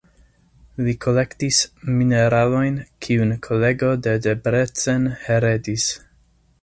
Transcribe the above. Li kolektis mineralojn, kiun kolegio de Debrecen heredis.